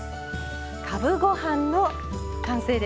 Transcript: かぶご飯の完成ですね。